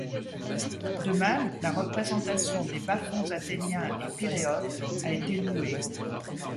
De même, la représentation des bas-fonds athéniens et piréotes a été louée.